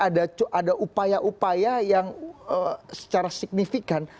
ada upaya upaya yang secara signifikan